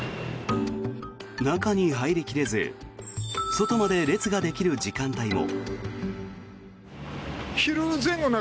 中に入り切れず外まで列ができる時間帯も。